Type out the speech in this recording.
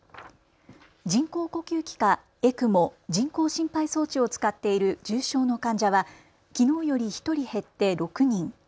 人工呼吸器かＥＣＭＯ・人工心肺装置を使っている重症の患者はきのうより１人減って６人。